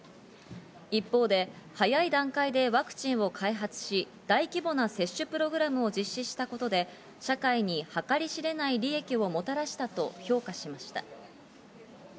一方で早い段階でワクチンを開発し、大規模な接種プログラムを実施したことで社会に計り知れない利益をもたらしたと評価しました。